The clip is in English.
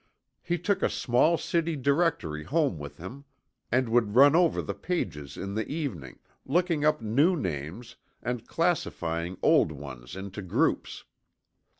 He took a small City Directory home with him, and would run over the pages in the evening, looking up new names, and classifying old ones into groups.